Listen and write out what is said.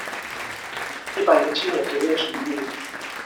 一百零七年九月十一日